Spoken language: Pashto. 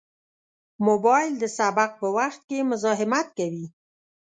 موبایل د سبق په وخت کې مزاحمت کوي.